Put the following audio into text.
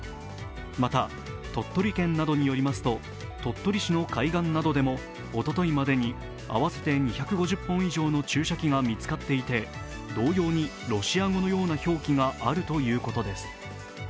また鳥取県などによりますと鳥取市内の海岸などでもおとといまでに合わせて２５０本以上の注射器が見つかっていて、同様にロシア語のような表記があるということです。